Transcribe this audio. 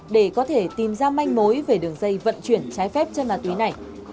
để có thể tìm ra manh mối về đường dây vận chuyển trái phép chân ma túy này